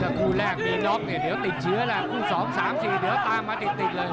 แต่คู่แรกมีล็อคเนี่ยเดี๋ยวติดเชื้อแหละคู่สองสามสี่เดี๋ยวตามมาติดติดเลย